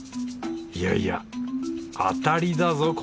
いやいや当たりだぞ